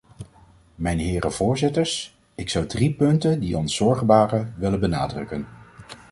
Mijne heren voorzitters, ik zou drie punten, die ons zorgen baren, willen benadrukken.